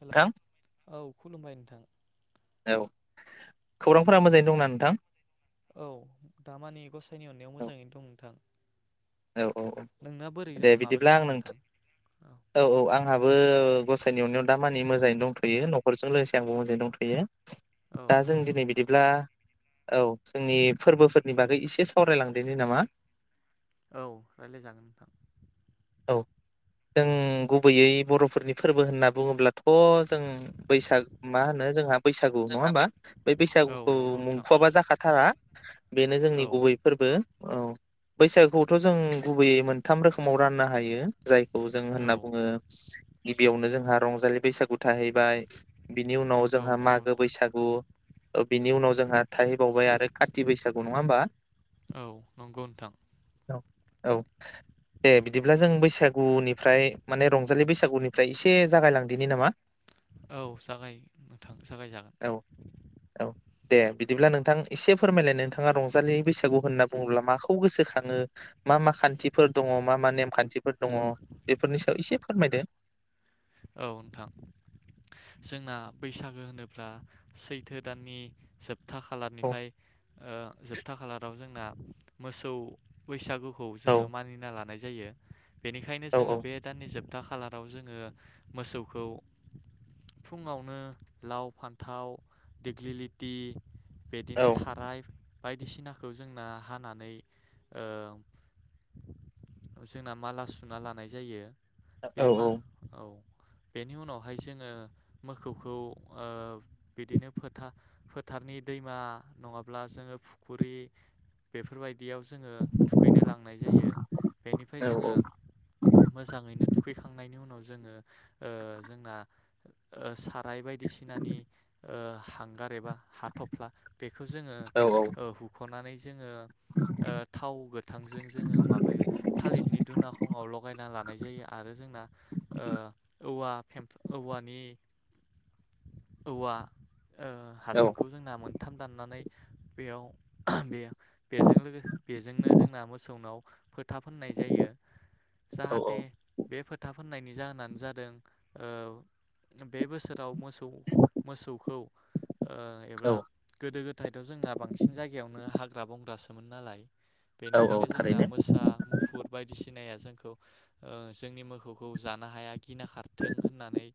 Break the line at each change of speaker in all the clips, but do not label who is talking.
Hello
नोंथां
औ खुलुमबाय नोंथां
औ खौरांफोरा मोजाङैनो दंना नोंथां?
औ दामानि गसाइनि अननायाव मोजाङैनो दं नोंथां।
औ औ औ
नोंना बोरै
दे
दं माबोरै
बिदिब्ला
दं
आं नोंथ
नोंथां
औ औ आंहाबो गसाइनि अननायाव दा मानि मोजाङै दंथयो नखरजों लोगोसे आंबो मोजाङै दंथयो।
औ
दा जों
नंगौ
दिनै
नोंथां
बिदिब्ला औ जोंनि फोरबोफोरनि बागै इसे सावरायलांदोनि नामा।
औ राय्लाय जागोन नोंथां।
औ जों गुबैयै बर'फोरनि फोरबो होनना बुङोब्ला थ जों बैसाग मा होनो जोंहा बैसागु नङा
जोंहा बै
होमबा बै
औ
बैसागुखौ
नंगौ नोंथां
मुंखवाबा जाखाथारा। बेनो जोंनि
औ
गुबै फोरबो। औ बैसागुखौथ जों गुबैयै मोनथाम रोखोमाव रानना हायो। जायखौ जों
औ
होनना बुङो गिबियावनो जोंहा रंजालि बैसागु थाहैबाय। बिनि उनाव
औ
जोंहा
नंगौ
मागो
नोंथां
बैसागु बिनि उनाव जोंहा थाहैबावबाय आरो काथि बैसागु नङा होमबा‌।
औ नंगौ नोंथां।
औ दे बि बिदिब्ला जों बैसागुनिफ्राय माने रंजालि बैसागुनिफ्राय एसे जागाय लांदिनि नामा।
औ जागाय नोंथां
औ
जागायजागोन।
औ दे बिदिब्ला नोंथां एसे फोरमायलाय नोंथाङा रंजालि बैसागु होनना बुङोब्ला माखौ गोसोखाङो मा मा खान्थिफोर दङ मा मा नेम खान्थिफोर दङ बेफोरनि सायाव एसे फोरमायदो।
औ नोंथां जोंना बैसागो होनोब्ला सैथो दाननि जोब था
औ
खालारनिफ्राय ओ जोब खथा खालाराव जोंना मोसौ बैसागु खौ
औ
जोङो मानिना लानाय जायो। बेनिखायनो
औ
जोङो बे दाननि जोब था खालाराव जोङो मोसौखौ फुङावनो लाव फान्थाव देग्लिलिथि
औ
बिदिनो थाराय बायदिसिनाखौ जोंना हानानै ओ जोंना माला सुना लानाय जायो बे
औ
मा औ‌। बेनि उनावहाय जोङो मोखौखौ बिदिनो फोथार फोथारनि दैमा नङाब्ला जोङो फुखुरि बेफोरबायदियाव जोङो थुखैनो लांनाय जायो बेनिफ्राय जोङो
औ
मोजाङैनो थुखैखांनायनि उनाव जोङो ओ जोंना साथ राय बायदिसिनानि ओ हांगार एबा हाथफ्ला बेखौ जोङो
औ
हुखो खनानै जोङो थाव गोथांजों जोङो माबायाव थालिरनि दुना खङाव लगायना लानाय जायो आरो जोंना ओ औ खेम औवानि औवा ओ हासुंखौ
औ
जोंना मोन खाम दाननानै बेयाव बियो बेजों बेजोंनो जोंना मोसौनाव फोथाब होननाय जायो
औ
जाहाथे बे फोथाब फोननायनि जाहोनानो जादों दों ओ बे बोसोराव मोसौ मोसौखौ ओ
औ
एबा गोदो गोदायथ जोंना बांसिन जायगायावनो हाग हाग्रा बंग्रासोमोन नालाय।
औ औ
बेनिखायनो जोंना
थारैनो
मोसा मुफुर बायदिसिनाया जोंखौ जोंनि ओ मोसौखौ जानो हाया गिना खारथों होननानै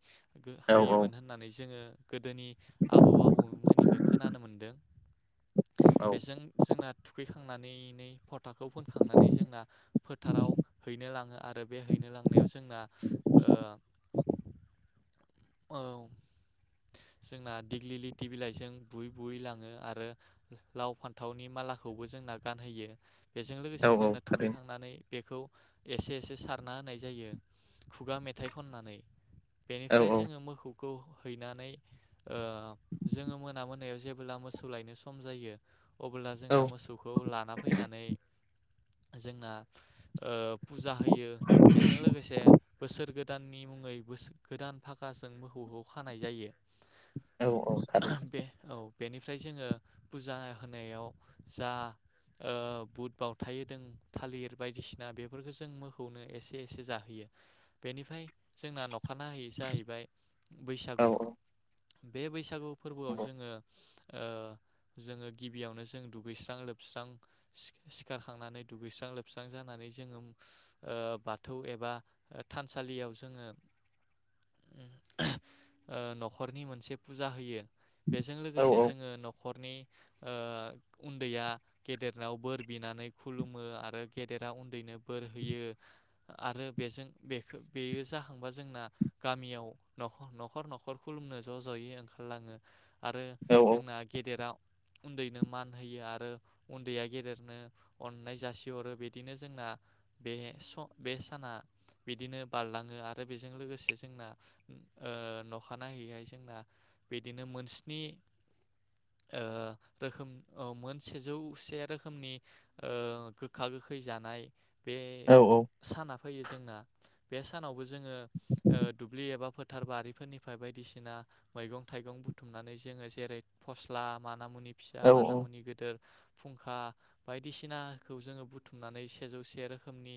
औ औ
होयोमोन होननानै जोङो गोदोनि आबौ आबौमोननिफ्राय खोनानो मोनदों
औ
बेजों जोंना थुखैखांनानैै फद फोथाखौ फोनखांनानै जोंना फोथाराव हैनो लाङो आरो बे हैनो लांनायाव जोंना औ औ जोंना दिग्लिलिथि बिलाइजों बुयै बुयै लाङो आरो लाव फान्थावनि मालाखौबो जोंना गानहोयो बेजों
औ
लोगोसे
औ
जोंना
थारैनो
थुखैखांनानै बेखौ एसे एसे सारना होनाय जायो। खुगा मेथाइ खननानै
औ
बेनिफ्राय जोङो मोखौ खौ हैनानै जोङो ओ मोना मोनायाव जेब्ला मोसौ लायनो सम जायो। अब्ला
औ
जोंना मोसौखौ लाना फैनानै जोंना ओ फुजा होयो बेजों लोगोसे बोसोर गोदाननि मुङैबो बोसो गोदान फागाजों मोखौखौ खानाय जायो।
औ औ थारै
बे औ बेनिफ्राय जोङो फुजा होनायाव जा ओ बुट बावथाय होदों थालिर बायदिसिना बेफोरखौ जों मोखौनो एसे एसे जाहोयो। बेनिफ्राय जोंना न'ख अखानाहै जाहैबाय
औ
बैसागु। बे बैसागु फोरबोआव जोङो ओ जोङो गिबियावनो जों दुगैस्रां लोबस्रां सि-सिखारखांनानै दुगैस्रां लोबस्रां जानानै जोङो ओ बाथौ एबा थानसालियाव जोङो ओ न'खरनि मोनसे फुजा होयो। बेजों
नंगौ औ
लोगोसे जोङो न'ख खरनि उन्दैया गेदेरनाव बोर बिनानै खुलुमो आरो गेदेरा उन्दैनो बोर होयो आरो बेजों बेखो बेयो जाखांबा जोंना गामियाव न'ख न'खर न'खर खुलुमनो ज' जयै ओंखारलाङो। आरो
औ
जोंना गेदेरा उन्दैनो मान होयो आरो उन्दैया गेदेरनो अननाय जासिहरो बिदिनो जोंना बे स बे साना बिदिनो बारलाङो आरो बेजों लोगोसे जोंना ओम ओ नखानायहैहाय जोंना बिदिनो मोनस्नि ओ रोखोम औ मोन सेजौसे रोखोमनि गोखा गोखै जानाय बे
औ
साना फैयो। बे सानावबो जोङो ओ दुब्लि एबा फोथार बारिफोरनिफ्राय बायदिसिना मैगं थाइगं बुथुमनानै जोङो जेरै फस्ला माना मुनि फिसा
औ
माना मुनि गोदोर फुंखा बायदिसिनाखौ जोङो बुथुमनानै सेजौ से रोखोमनि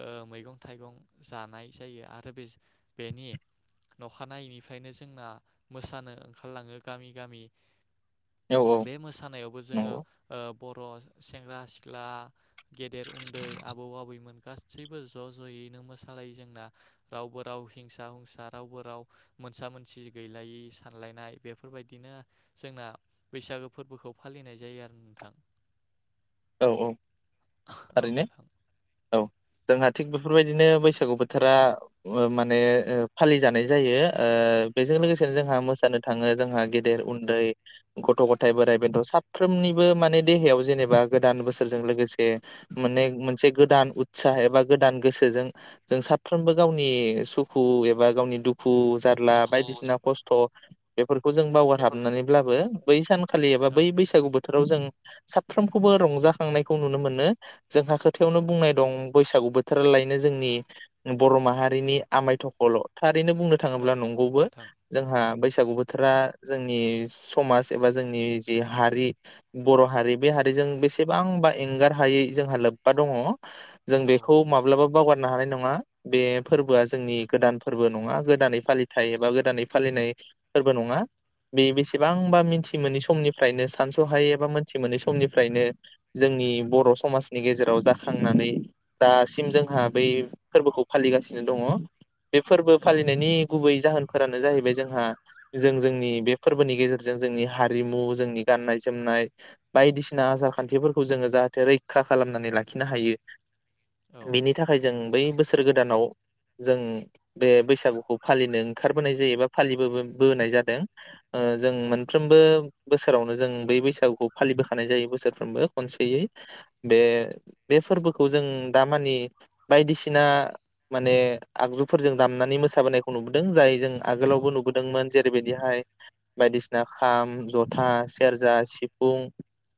ओ मैगं थाइगं जानाय जायो आरो बेजो बेनि नखानायैनिफ्रायनो जोंना मोसानो ओंखारलाङो गामि गामि। बे मोसानायावबो जोङो
नंगौ
ओ बर' सेंग्रा सिख्ला गेदेर उन्दै आबौ आबैमोन गासैबो ज' ज'यैनो मोसालायो जोंना। रावबो राव हिंसा हुंसा रावबो राव मोनसा मोनसि गैलायै सानलायनाय बेफोरबायदिनो जोंना बैसागो फोरबोखौ फालिनाय जायो आरो नोंथां।
औ औ
औ
ओरैनो
नोंथां
औ। जोंहा थिग बेफोरबायदिनो बैसागु बोथोरा ओ माने ओ फालिजानाय जायो। ओ बेजों
औ
लोगोसेनो जोंहा मोसानो थाङो जोंहा गेदेर उन्दै गथ' गथाय बोराइ बेन्थ' साफ्रोमनिबो माने देहायाव जेनेबा गोदान बोसोरजों लोगोसे माने मोनसे गोदान उत्साह एबा गोदान गोसोजों जों साफ्रोमबो गावनि सुखु एबा गावनि दुखु खु जारला
दुखु
बायदिसिना खस्थ' फोरखौ जों बावगार
जानायफोर
हाबनानैब्लाबो बै सान खालि एबा
औ
बै बैसागु बोथोराव जों साफ्रोम खौबो रंजाखांनायखौ नुनो मोनो। जोंहा खोथायावनो
औ
बुंनाय दं। बैसागु बोथोरालायनो जोंनि बर' माहारिनि आमाय थखल' थारैनो बुंनो
औ
थाङोब्ला
नंगौ
नंगौबो
नोंथां
जोंहा बै बैसागु बोथोरा जोंनि समाज एबा जोंनि जि हारि बर' हारि बे हारि जों बेसेबांबा एंगार हायै जोंहा लोब्बा दङ' जों
औ
बेखौ
नंगौ
माब्लाबा
नोंथां
बावगारनो हानाय नङा। बे फोरबोआ जोंनि गोदान फोरबो नङा गोदानै फालिथाय एबा गोदानै फालिनाय फोरबो नङा बे बेसेबांबा मिथि मोनि समनिफ्रायनो सानसहायै एबा मोनथि मोनै समनि फ्रायनो जोंनि बर'समाजनि गेजेराव जाखांनानै दासिम जोंहा बै फोरबोखौ फालिगासिनो दङ'। बे फोरबो
औ
फालिनायनि
नंगौ नोंथां
गुबै जाहोनफोरानो जाहैबाय जोंहा जों जोंनि बे फोरबोनि गेजेरजों जोंनि हारिमु जोंनि गाननाय जोमनाय बायदि सिना आसार खान्थिफोरखौ जोङो जाहाथे रैखा खालामनानै लाखिनो हायो।
औ
बिनि थाखाय जों
नंगौ
बै
नोंथां
बोसोर गोदानाव जों बे बैसागुखौ फालिनो ओंखारबोनाय जायो एबा फालिबोबो बोनाय जादों। ओ जों
औ
मोनफ्रोमबो बोसोरावनो जों बै बैसागुखौ फालिबो जायो बोसोरफ्रोमबो खनसेयै बे बे फोरबोखौ जों दामानिे बायदिसिना माने आगजुफोरजों दामनानै मोसाबोनायखौ नुबोदों जाय जों
औ
आगोलावबो
नंगौ
नुबोदोंमोन
नोंथां
जेरैबायदिहाय बायदिसिना खाम जथा सेरजा सिफुं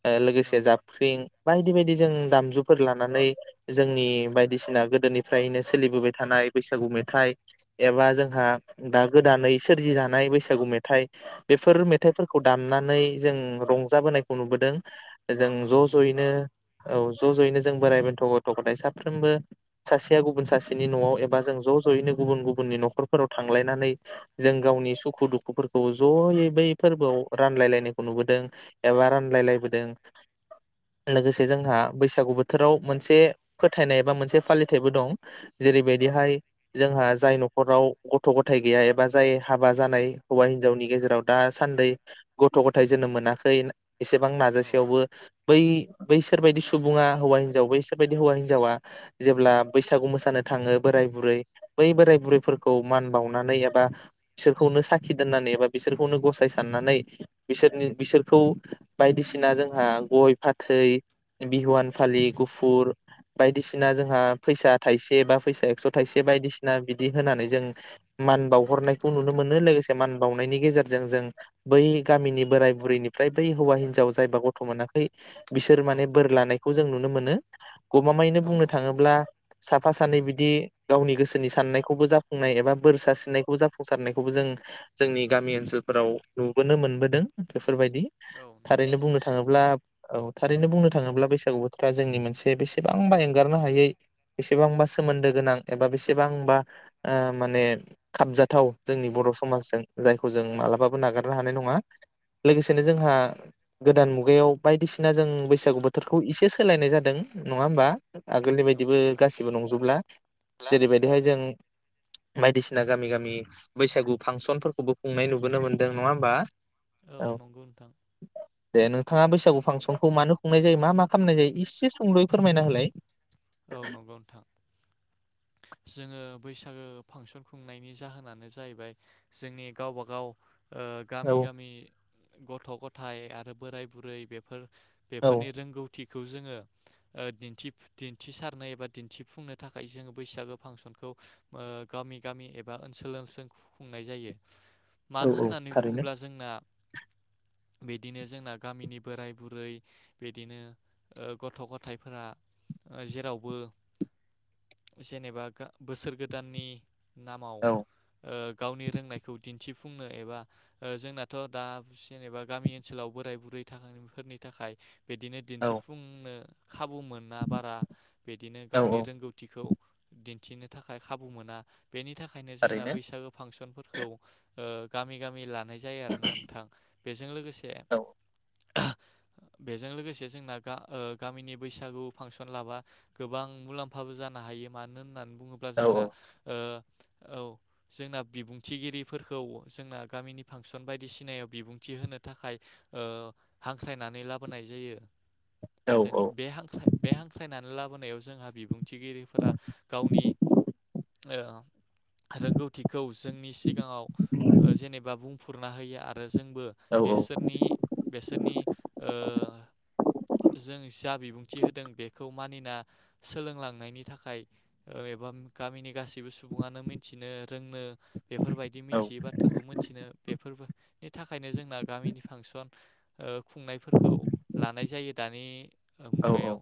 लोगोसे
औ
जाबख्रिं बायदि बायदि जों दामजुफोर लानानै जोंनि बायदिसिना गोदोनिफ्रायनो सोलिबोबाय थानाय बैसागु मेथाइ एबा जोंहा दा गोदानै सोरजि जानाय बैसागु मेथाइ बेफोर मेथाइफोरखौ दामनानै जों रंजाबोनाय खौ नुबोदों।
औ
जों ज'
नंगौ
ज'यैनो
नोंथां
औ ज' ज'यैनो जों बोरायबाय थ गथ' गथाय साफ्रोमबो सासेया गुबुन सासेनि नआव एबा जों ज जयैनो गुबुन गुबुननि न'खरफोराव थांलायनानै जों गावनि सुखु दुखुफोरखौ जयै बै फोरबोआव रानलायलायनायखौ नुबोदों। एबा रानलायलायबोदों लोगोसे जोंहा बैसागु बोथोराव मोनसे फोथायनाय एबा मोनसे फालिथायाइबो दं।
औ
जेरैबायदिहाय जोंहा जाय नखराव गथ' गथाय गैया एबा जाय हाबा जानाय हौवा हिनजावनि गेजेराव दा सान्दै गथ'गथाय जोनोम मोनाखै एसेबां
औ
नाजासेयावबो बै बैसोरबायदि सुबुङा हौवा हिनजाव बैसोरबायदि हौवा हिनजावा जेब्ला बैसागु मोसानो थाङो बोराय बुरै बै बोराय बुरैफोरखौ मान बावनानै एबा बिसोरखौनो साखि दोननानै एबा बिसोरखौनो गसाय साननानै बिसोरनि बिसोरखौ बायदिसिना जोंहा गय फाथै बिहुवान फालि गुफुर बायदिसिना जोंहा फैसा थाइसे बा फैसा एक्स थाइसे बायदिसि ना बिदि होनानै
औ
जों मान बावहरनायखौ नुनो मोनो लोगोसे मान बावनायनि गेजेरजों जों बै गामिनि बोराय बुरैनिफ्राय बै हौवा हिनजाव जायबा गथ' मोनाखै बिसोर
औ
माने बोर लानाय खौ जों नुनो मोनो गमामायैनो
औ
बुंनो
नंगौ नोंथां
थाङोब्ला साफा साफ सानै बिदि गावनि गोसोनि साननायखौबो जाफुंनाय एबा बोरसा सिननायखौबो जाफुंसारनायखौबो जों जोंनि गामि ओनसोलफोराव नुबोनो मोनबोदों बेफोरबायदि
औ नंगौ
थारैनो
नोंथां
बुंनो थाङोब्ला औ थारैनो बुंनो थाङोब्ला बैसागु बोथोरा जोंनि मोनसे बेसेबांबा एंगारनो हायै बेसेबांबा सोमोन्दो गोनां एबा बेसेबांबा माने खाबजाथाव जोंनि बर' समाजजों जायखौ जों मालाबाबो नागारनो हानाय नङा
औ
बिनो जोंहा। गोदान मुगायाव बायदिसिना जों बैसागु बोथोरखौ इसे सोलायनाय जादों नङा होमबा आगोलनि
नंगौ
बायदिबो
नोंथां
गासिबो नंजोबला जेरैबायदिहाय जों बायदिसिना गामि गामि बैसागु फांसनफोरखौबो खुंनाय नुबोनो मोनदों नङा होमबा? औ।
गुनथां।
थाङा बैसागु फांसनखौ मानो खुंनाय जायो मा मा खालामनाय जायो इसे सुंलुयै फोरमायना होलाय।
औ नंगौ नोंथां जोङो बैसागो फांसन खुंनायनि जाहोनानो जाहैबाय जोंनि गावब गाव
औ
गामि गामि गथ-गथाय आरो बोराय बुरै बेफोर
औ
बेफोरनि रोंगौ थगखौ जोङोथि ओ दिथिफुथि थिसारनायबायदि थिफुंनो थाखाय जों बैसागो फांसनखौ ओ गामि गामि एबा ओनसोल ओनसोल खुंनाय जायो
औ
मानो
औ
होननानै
थारैनो
बुङोब्ला जोंना बिदिनो जोंना गामिनि बोराय बुरै बिदिनो ओ गथ-गथाइफ्रा जेरावबो जेनेबा बोसोर गोदाननि नामाव ओ
औ
गावनि रोंनायखौ दिन्थिफुंनो एबा ओ जोंनाथ दा जेनेबा गामि ओनसोलाव बोराय बुरै थाखोफोरनि थाखाय बिदिनो
औ
दिन्थिफुंनो खाबु मोना बारा बिदिनो
औ
गावनि
औ
रोंगौथिखौ दि थिनो थाखाय खाबु मोना बेनि थाखायनो जोंना
थारैनो
बैसागो फांसनफोरखौ ओ गामि गामि ला नाय जायो आरोना थां बेजों लोगोसे
औ
बेजों लोगोसे जोंना ओ गामिनि बैसागु फांसन लाबा गोबां मुलाम्फाबो जानो हायो मानो होनबा बुंब्ला
औ
जोंना ओ औ जोंना बिबुंथिगिरिफोरखौ जोंना गामिनि फांसन बायदिसिनायाव बिबुंथि होनो थाखाय ओ हाख्रायनानै लाबोनाय जायो।
औ
से बे हांख्राय थायनानै लाबोनायाव जोंहा बिबुंथिगिरिफोरा गावनि ओ रोंगौथिखौ जोंनि सिगाङाव जेनेबा बुंफुरना होयो आरो जोंबो
औ
बेसोरनि बेसोरनि ओ जों जा बिबुंथि होदों बेखौ मानिना सोलोंलांनायनि थाखाय एबा गामिनि गासैबो सुबुङानो मिन्थिनो रोंनो बेफोरबायदि
औ
मिथियै बाथ्राखौ मिथिनो बेफोरबो ए थाखायनो जोंना गामिनि फांसन ओ खुंनायफोरखौ लानाय जायो दानि
औ औ
मुगायाव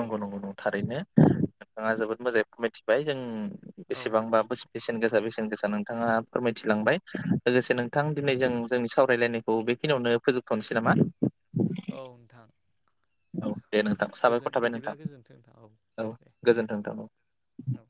औ
नंगौं थारैनो ओ जोबोद मोजांयै मिथिबाय जों
औ
बेसेबांबा
नंगौ नोंथां
बोस-बेसेन गोसा बेसेन गोसा नोंथाङा फोरमायथिलांबाय लोगोसे नोंथां दिनै जों जोंनि सावरायलायनायखौ बेखिनियावनो फोजोबथनोसै नामा
औ नोंथां
औ दे नोंथां
गोजोन
साबायखर थाबाय
बिदिब्ला
नोंथां
गोजोन्थों नोंथां
औ
दे
गोजोन्थों नोंथां।
औ